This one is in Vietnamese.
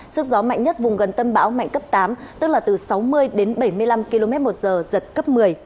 sức gió mạnh nhất vùng gần tâm bão mạnh cấp tám tức là từ sáu mươi đến bảy mươi năm km một giờ giật cấp một mươi